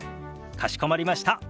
かしこまりました。